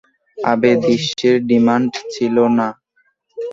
আবে, দৃশ্যের ডিমান্ড ছিলো না!